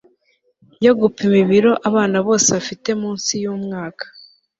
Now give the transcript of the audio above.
yo gupima ibiro abana bose bafite munsi yu myaka